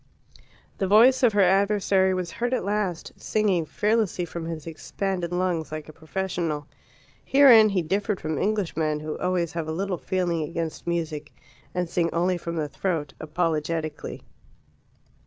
The voice of her adversary was heard at last, singing fearlessly from his expanded lungs, like a professional. Herein he differed from Englishmen, who always have a little feeling against music, and sing only from the throat, apologetically.